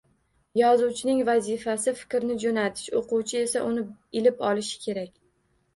Yozuvchining vazifasi fikrni joʻnatish, oʻquvchi esa uni ilib olishi kerak